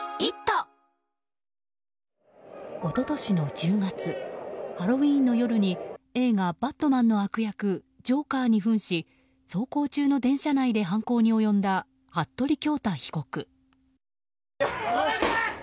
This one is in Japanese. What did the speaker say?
一昨年の１０月ハロウィーンの夜に映画「バットマン」の悪役ジョーカーに扮し走行中の電車内で犯行に及んだ服部恭太被告。